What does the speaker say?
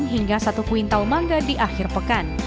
hingga satu kuintal mangga di akhir pekan